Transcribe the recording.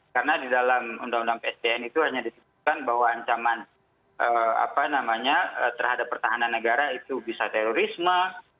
karena di dalam undang undang psdn itu hanya ditentukan bahwa ancaman terhadap pertahanan negara itu bisa terorisme